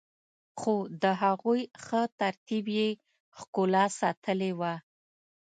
خو د هغوی ښه ترتیب يې ښکلا ساتلي وه.